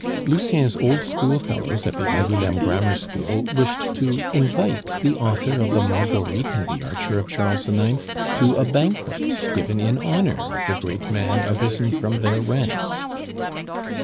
Lucien's old schoolfellows at the Angouleme grammar school wished to invite the author of the Marguerites and The Archer of Charles IX. to a banquet given in honor of the great man arisen from their ranks.